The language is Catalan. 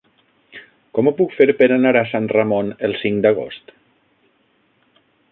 Com ho puc fer per anar a Sant Ramon el cinc d'agost?